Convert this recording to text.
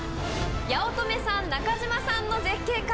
八乙女さん中島さんの絶景か？